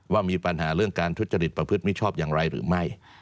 ว่ามีปัญหาเรื่องการทุจริตประพฤติมิชชอบอย่างไรหรือไม่